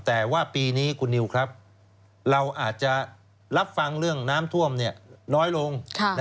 แต่ว่าปีนี้คุณนิวครับเราอาจจะรับฟังเรื่องน้ำท่วมน้อยลง